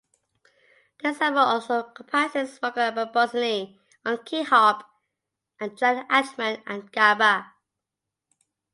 The ensemble also comprises Marco Ambrosini on Key harp and Jan Achtman at Gamba.